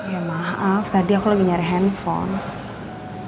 ya maaf tadi aku lagi nyari handphone